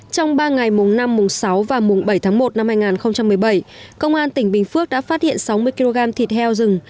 trong ba ngày mùng năm mùng sáu và mùng bảy tháng một năm hai nghìn một mươi bảy công an tỉnh bình phước đã phát hiện sáu mươi kg thịt heo rừng